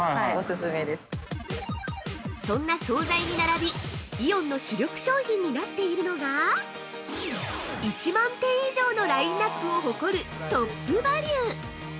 ◆そんな総菜に並び、イオンの主力商品になっているのが１万点以上のラインナップを誇る「トップバリュ」。